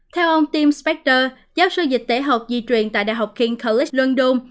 theo ông tim spector giáo sư dịch tế học di truyền tại đại học king college london